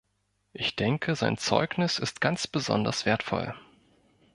Ich denke, sein Zeugnis ist ganz besonders wertvoll.